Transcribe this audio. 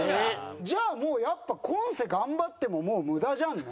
じゃあもうやっぱ今世頑張ってももう無駄じゃんね。